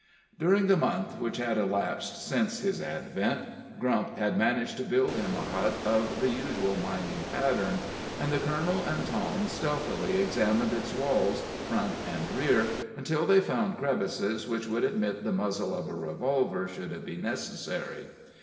During the month which had elapsed since his advent, Grump had managed to build him a hut of the usual mining pattern, and the colonel and Tom stealthily examined its walls, front and rear, until they found crevices which would admit the muzzle of a revolver, should it be necessary.